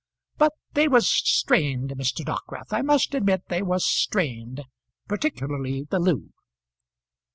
"But they was strained, Mr. Dockwrath; I must admit they was strained, particularly the loo."